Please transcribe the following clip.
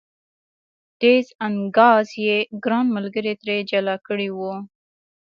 ډز انګاز یې ګران ملګري ترې جلا کړی و.